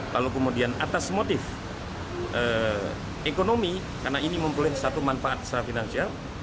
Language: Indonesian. lalu kemudian atas motif ekonomi karena ini mempunyai satu manfaat secara finansial